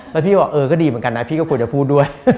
แล้วพี่ก็บอกเออก็ดีเหมือนกันนะพี่ก็ควรจะพูดด้วย